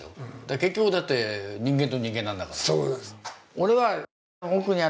結局、人間と人間なんだから。